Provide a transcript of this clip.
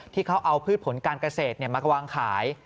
ที่เขาเอาพืชผลการเกษตรมาวางขาย